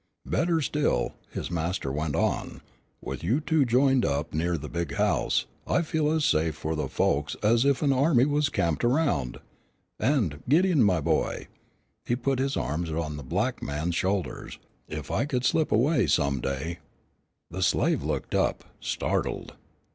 "Better still," his master went on; "with you two joined and up near the big house, I'll feel as safe for the folks as if an army was camped around, and, Gideon, my boy," he put his arms on the black man's shoulders, "if I should slip away some day " The slave looked up, startled.